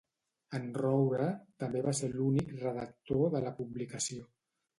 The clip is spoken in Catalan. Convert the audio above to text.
En Roure també va ser l’únic redactor de la publicació.